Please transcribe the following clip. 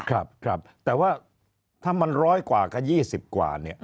ครับครับแต่ว่าถ้ามันร้อยกว่ากับ๒๐กว่าเนี่ย